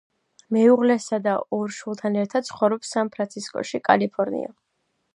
მეუღლესა და ორ შვილთან ერთად ცხოვრობს სან-ფრანცისკოში, კალიფორნია.